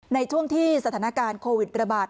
ในช่วงที่สถานการณ์โควิดระบาด